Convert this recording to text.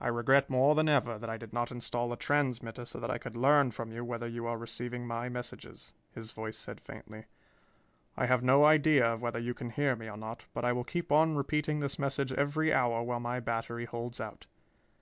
"I regret more than ever that I did not install a transmitter so that I could learn from you whether you are receiving my messages," his voice said faintly. "I have no idea of whether you can hear me or not, but I will keep on repeating this message every hour while my battery holds out.